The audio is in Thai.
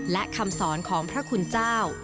และคำสอนของพระคุณเจ้า